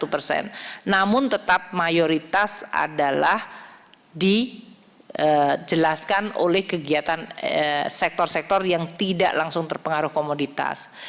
namun tetap mayoritas adalah dijelaskan oleh kegiatan sektor sektor yang tidak langsung terpengaruh komoditas